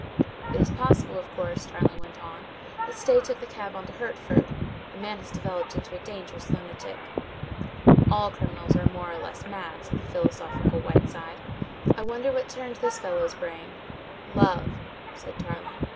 "It is possible, of course," Tarling went on, "that Stay took the cab on to Hertford. The man has developed into a dangerous lunatic." "All criminals are more or less mad," said the philosophical Whiteside. "I wonder what turned this fellow's brain." "Love!" said Tarling.